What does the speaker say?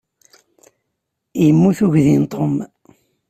Yemmut uydi n Tom.